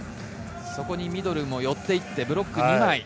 そこにミドルも寄って行ってブロック２枚。